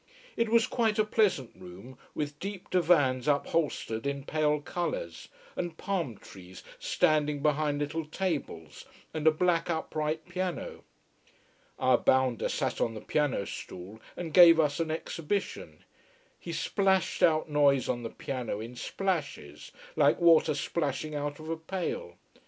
It was quite a pleasant room, with deep divans upholstered in pale colours, and palm trees standing behind little tables, and a black upright piano. Our bounder sat on the piano stool and gave us an exhibition. He splashed out noise on the piano in splashes, like water splashing out of a pail.